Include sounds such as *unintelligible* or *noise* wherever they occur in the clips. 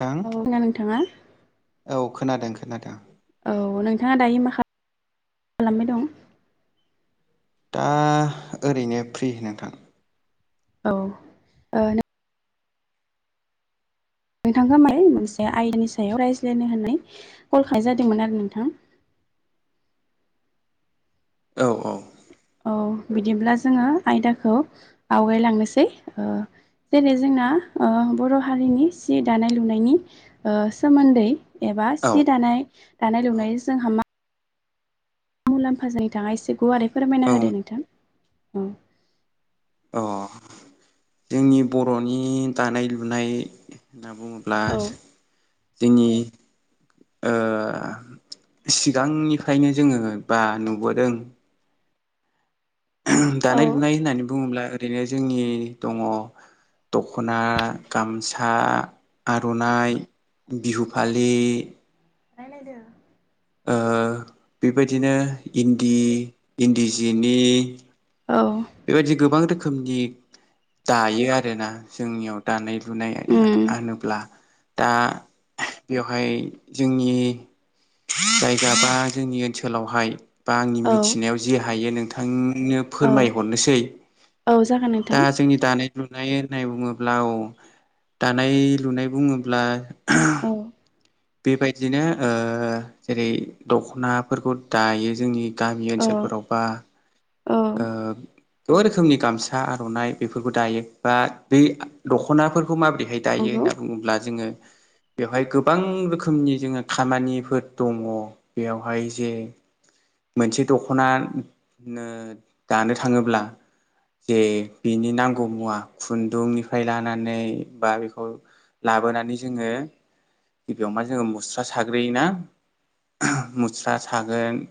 थां औ ना नोंथाङा औ खोनादों खोनादों औ नोंथाङा दायो मा खालामबाय दं? दा ओरैनो फ्रि नोंथां। औ ओ नों नोंथांखौ माने मोनसे आइनि सायाव रायज्लायनो होननाय कलखानाय जादोंमोन आरो नोंथां औ औ औ बिदिब्ला जोङो आयदाखौ आवगायलांनोसै ओ जेरै- जोंना ओ बर' हारिनि सि दानाय लुनायनि ओ सोमोन्दै एबा औ सि दानाय दानाय लुनाय जोंहा मा मुलाम्फा जायो नोंथाङा एसे गुवारै फोरमायना औ होदो नोंथां औ अ जोंनि बर'नि दानाय लुनाय होनना बुङो औ ब्लास जोंनि ओ सिगांनिफ्रायनो जोङो बा नुबोदों *unintelligible* औ दानाय लुनाय होननानै बुङोब्ला ओरैनो जोंनि दङ दख'ना गामसा आर'नाइ बिहु फालि रायलायदों ओ बेबायदिनो इन्दि इन्दि जिनि औ बेबायदि गोबां रोखोमनि दायो आरोना जोंनियाव दानाय लुनाय उम होनोब्ला दा बेवहाय जोंनि जायगा बा जोंनि ओनसोलावहाय बा आंनि औ मिथिनायाव जे हायो नोंथांनो औ फोरमाय हरनोसै औ जागोन दा नोंथां जोंनि दानाय लुनाय होननाय बुङोब्ला औ दानाय लुनाय बुङोब्ला औ बेबायदिनो ओ जेरै- दख'नाफोरखौ दायो जोंनि गामि औ ओनसोलफोराव बा औ ओ गोबां रोखोमनि गामसा आर'नाइ बेफोरखौ दायो बा बे दख'नाफोरखौ माबोरैहाय दायो नंगौ होनना बुङोब्ला जोङो बेवहाय गोबां रोखोमनि जोङो खामानिफोर दङ बेयावहाय जे मोनसे दख'ना नो दानो थाङोब्ला जे बिनि नांगौ मुवा खुन्दुंनिफ्राय लानानै बा बेखौ लाबोनानै जोङो गिबियाव मा जोङो मुस्रा साग्रोयोना मुस्रा सागोन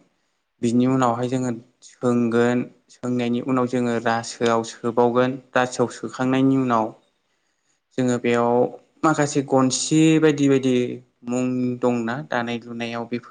बिनि उनावहाय जोङो सोंगोन सोंनायनि उनाव जोङो रासोआव सोबावगोन रासोआव सोखांनायनि उनाव जोङो बेयाव माखासे गनसि बायदि बायदि मुं दंना दानाय लुनायाव बेफोर